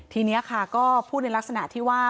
ทีนี้ค่ะก็พูดในลักษณะที่ว่า